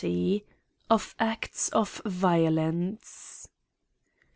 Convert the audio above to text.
XX. Of Acts of violence.